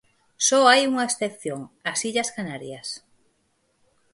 Só hai unha excepción: as Illas Canarias.